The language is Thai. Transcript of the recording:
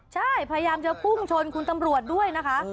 ใช่พยายามจะพุ่งชนคุณตำรวจด้วยนะคะ